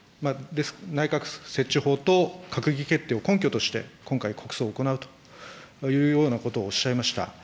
内閣設置法と、閣議決定を根拠として、今回、国葬を行うというようなことをおっしゃいました。